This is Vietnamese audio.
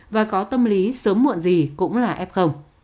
và có tâm lý sớm muộn gì cũng là ép không